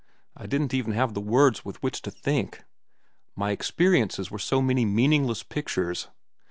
I didn't even have the words with which to think. My experiences were so many meaningless pictures.